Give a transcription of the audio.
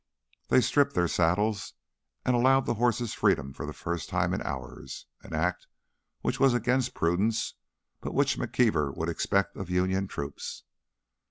They stripped their saddles and allowed the horses freedom for the first time in hours, an act which was against prudence but which McKeever would expect of Union troops.